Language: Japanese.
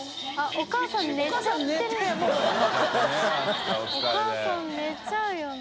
お母さん寝ちゃうよな。